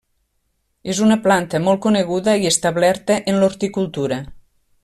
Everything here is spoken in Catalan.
És una planta molt coneguda i establerta en l'horticultura.